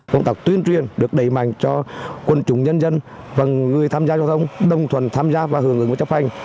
công tác tuyên truyền được đẩy mạnh cho quân chủng nhân dân và người tham gia giao thông đồng thuần tham gia và hưởng ứng và chấp hành